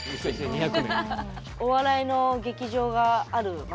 お笑いの劇場がある街。